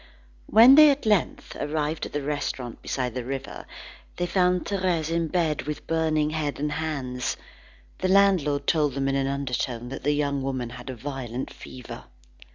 When they at length arrived at the restaurant beside the river, they found Thérèse in bed with burning head and hands. The landlord told them in an undertone, that the young woman had a violent fever.